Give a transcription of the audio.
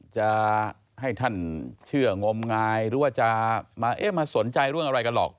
จะให้ท่านเชื่องมงายหรือว่าจะมาเอ๊ะมาสนใจเรื่องอะไรกันหรอก